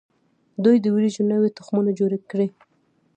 دوی د وریجو نوي تخمونه جوړ کړي.